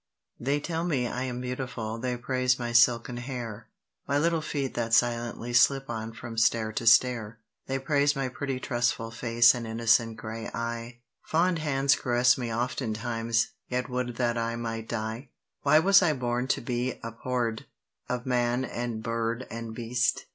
THEY tell me I am beautiful: they praise my silken hair, My little feet that silently slip on from stair to stair: They praise my pretty trustful face and innocent grey eye; Fond hands caress me oftentimes, yet would that I might die! Why was I born to be abhorr'd of man and bird and beast?